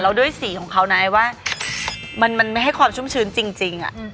แล้วด้วยสีของเขานะว่ามันไม่ให้ความชุ่มชื้นจริง